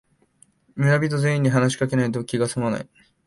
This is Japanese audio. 村人全員に話しかけないと気がすまない